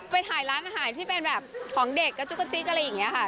ไปถ่ายร้านอาหารที่เป็นแบบของเด็กกระจุกกระจิ๊กอะไรอย่างนี้ค่ะ